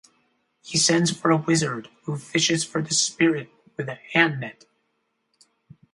He sends for a wizard, who fishes for the spirit with a hand-net.